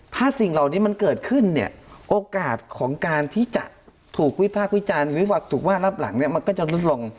ถ้าสิ่งเหล่านี้มันเกิดขึ้นเนี่ยโอกาสของการที่จะถูกวิพากษ์วิจารณ์หรือถูกว่ารับหลังเนี่ยมันก็จะลดลง